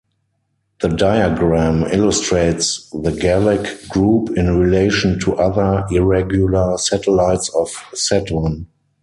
The diagram illustrates the Gallic group in relation to other irregular satellites of Saturn.